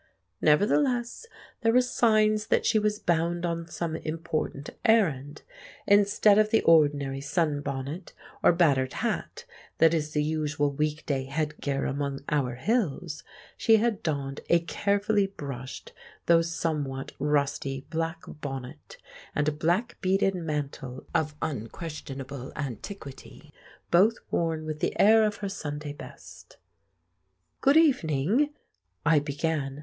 Nevertheless, there were signs that she was bound on some important errand; instead of the ordinary sun bonnet or battered hat that is the usual weekday headgear among our hills, she had donned a carefully brushed though somewhat rusty black bonnet, and a black beaded mantle of unquestionable antiquity, both worn with the air of her Sunday best. "Good evening," I began.